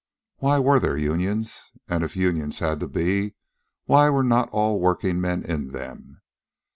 Why were there unions? And, if unions had to be, why were not all workingmen in them?